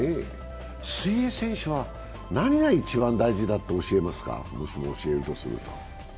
水泳選手は何が一番大事だと教えますか、もしも教えるとすると。